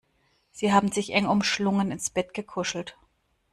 Sie haben sich eng umschlungen ins Bett gekuschelt.